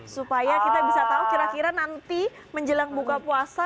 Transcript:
supaya kita bisa tahu kira kira nanti menjelang buka puasa